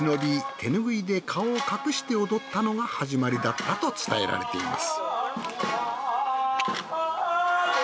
手拭いで顔を隠して踊ったのが始まりだったと伝えられています。